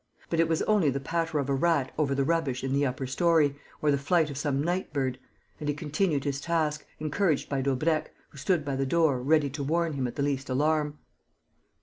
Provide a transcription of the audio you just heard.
But it was only the patter of a rat over the rubbish in the upper story, or the flight of some night bird; and he continued his task, encouraged by Daubrecq, who stood by the door, ready to warn him at the least alarm.